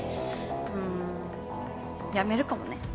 うーん辞めるかもね。